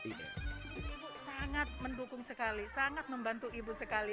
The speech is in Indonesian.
ibu sangat mendukung sekali sangat membantu ibu sekali